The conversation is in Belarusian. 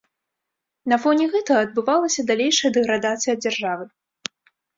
На фоне гэтага адбывалася далейшая дэградацыя дзяржавы.